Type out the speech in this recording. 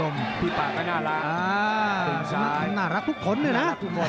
น้อมาพี่ป่าก็น่ารักน่ารักทุกคนด้วยนะ